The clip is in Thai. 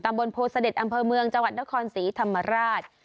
บนโพเสด็จอำเภอเมืองจังหวัดนครศรีธรรมราช